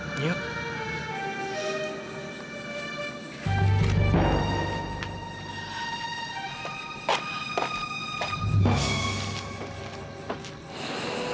aku mau pulang amirah